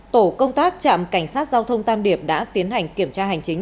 tổ công tác trạm cảnh sát giao thông tam điệp đã tiến hành kiểm tra hành chính